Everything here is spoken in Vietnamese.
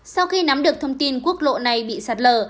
sau khi nắm được thông tin quốc lộ này bị sạt lở